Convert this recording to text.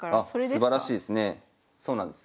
すばらしいですね。